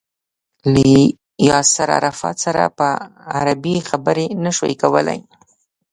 له ياسر عرفات سره په عربي خبرې نه شوای کولای.